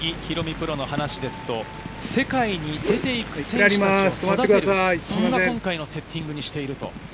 プロの話ですと、世界に出て行く選手を育てる、そんな今回のセッティングにしていると。